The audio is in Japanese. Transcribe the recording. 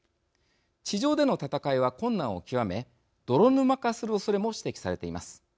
地上での戦いは困難をきわめ泥沼化するおそれも指摘されています。